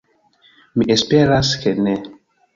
Mi esperas, ke ne!